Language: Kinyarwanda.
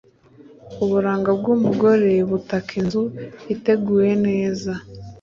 uburanga bw’umugore butaka inzu iteguye neza.